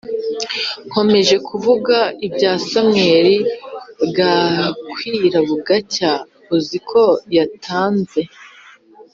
nkomeje kuvuga ibya Samweli bwa kwira bugacya uziko yatanze